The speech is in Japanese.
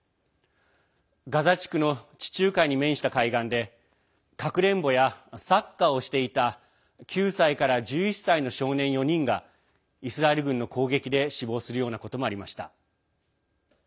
ガザ地区の地中海に面した海岸でかくれんぼやサッカーをしていた９歳から１１歳の少年４人がイスラエル軍の攻撃で死亡するようなこともありました。